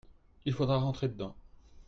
il faudra rentrer dedans.